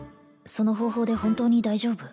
その方法で本当に大丈夫？